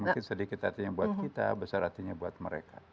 mungkin sedikit hatinya buat kita besar hatinya buat mereka